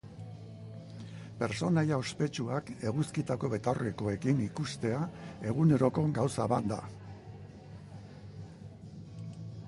Pertsonaia ospetsuak eguzkitako betaurrekoekin ikustea eguneroko gauza bat da.